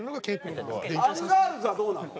アンガールズはどうなの？